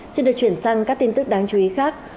xin được chuyển sang các tin tức đáng chú ý khác